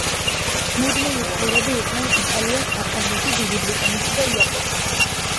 მუდმივი წევრები იყვნენ იტალია, საფრანგეთი, დიდი ბრიტანეთი და იაპონია.